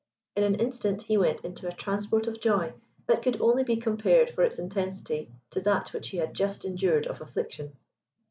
In an instant he went into a transport of joy that could only be compared for its intensity to that he had just endured of affliction.